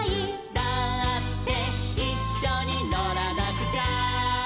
「だっていっしょにのらなくちゃ」